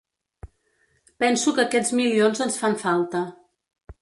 Penso que aquests milions ens fan falta.